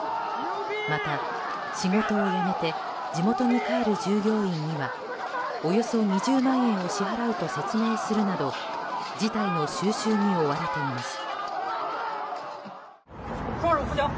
また、仕事を辞めて地元に帰る従業員にはおよそ２０万円を支払うと説明するなど事態の収拾に追われています。